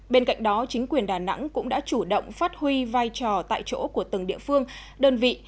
bên cạnh đó chính quyền đà nẵng cũng đã chủ động phát huy vai trò tại chỗ của từng địa phương đơn vị